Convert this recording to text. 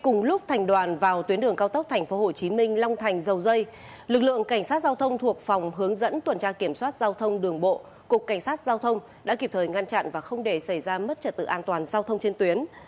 cùng lúc thành đoàn vào tuyến đường cao tốc tp hcm long thành dầu dây lực lượng cảnh sát giao thông thuộc phòng hướng dẫn tuần tra kiểm soát giao thông đường bộ cục cảnh sát giao thông đã kịp thời ngăn chặn và không để xảy ra mất trật tự an toàn giao thông trên tuyến